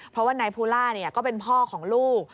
เพราะว่านายภูล่าก็เป็นพ่อของลูก